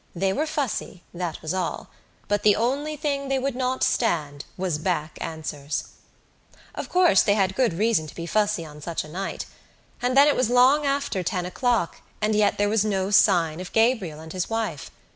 They were fussy, that was all. But the only thing they would not stand was back answers. Of course they had good reason to be fussy on such a night. And then it was long after ten o'clock and yet there was no sign of Gabriel and his wife.